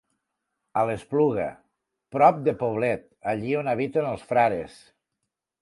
A l'Espluga, prop de Poblet, allí on habiten els frares.